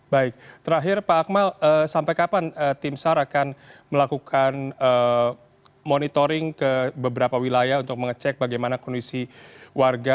baik terakhir pak akmal sampai kapan tim sar akan melakukan monitoring ke beberapa wilayah untuk mengecek bagaimana kondisi warga